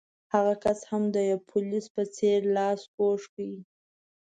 هغه کس هم د پولیس په څېر لاس کوږ کړ.